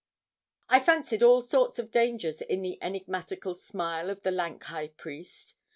I fancied all sorts of dangers in the enigmatical smile of the lank high priest.